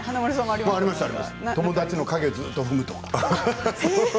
友達の影をずっと踏むとか。